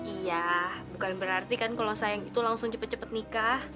iya bukan berarti kan kalau sayang itu langsung cepat cepat nikah